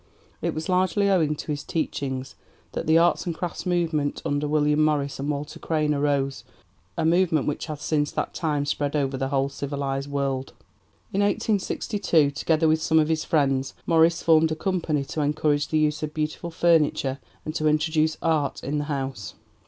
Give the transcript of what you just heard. It was largely owing to his teachings that the 'Arts and Crafts' movement under William Morris and Walter Crane arose a movement which has since that time spread over the whole civilized world. In 1862, together with some of his friends, Morris formed a company to encourage the use of beautiful furniture and to introduce 'Art in the House.'